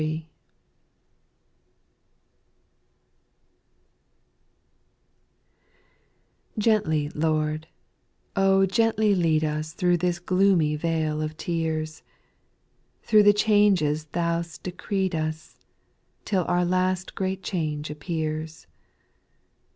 r\ ENTLY, Lord, O gently lead us \J Tbro' this gloomy vale of tears, Thro' the changes Thou 'st decreed us, Till our last great change appears.